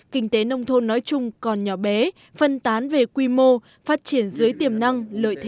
kinh tế nông thôn nói chung còn nhỏ bé phân tán về quy mô phát triển dưới tiềm năng